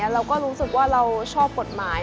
เราก็รู้สึกว่าเราชอบกฎหมาย